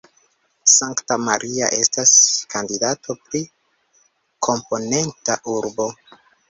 Santa Maria estas kandidato pri komponenta urbo.